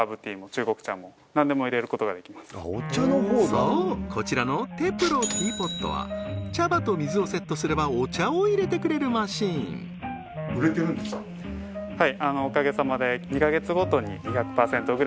そうこちらのｔｅｐｌｏティーポットは茶葉と水をセットすればお茶を淹れてくれるマシン倍々ってすごい！